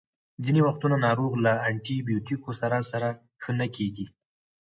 ځینې وختونه ناروغ له انټي بیوټیکو سره سره ښه نه کیږي.